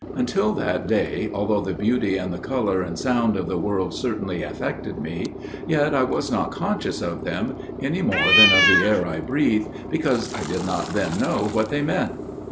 Until that day although the beauty and the colour and sound of the world certainly affected me, yet I was not conscious of them, any more than of the air I breathed, because I did not then know what they meant.